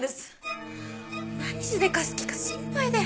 何しでかす気か心配で。